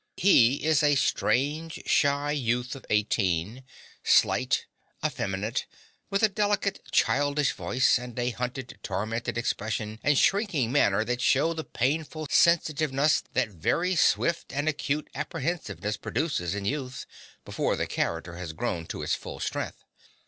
He is a strange, shy youth of eighteen, slight, effeminate, with a delicate childish voice, and a hunted, tormented expression and shrinking manner that show the painful sensitiveness that very swift and acute apprehensiveness produces in youth, before the character has grown to its full strength.